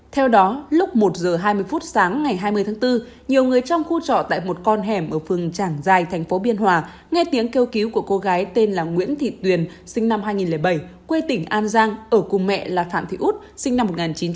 theo đó lúc một h hai mươi phút sáng ngày hai mươi tháng bốn nhiều người trong khu trọ tại một con hẻm ở phường trảng giài thành phố biên hòa nghe tiếng kêu cứu của cô gái tên là nguyễn thị tuyền sinh năm hai nghìn bảy quê tỉnh an giang ở cùng mẹ là phạm thị út sinh năm một nghìn chín trăm chín mươi